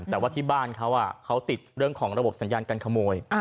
แต่ว่าที่บ้านเขาเขาติดเรื่องของระบบสัญญาการขโมย